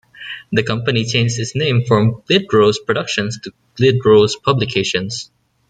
The company changed its name from Glidrose Productions to Glidrose Publications.